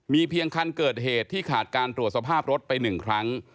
เพียงคันเกิดเหตุที่ขาดการตรวจสภาพรถไป๑ครั้ง